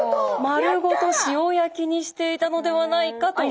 丸ごと塩焼きにしていたのではないかと。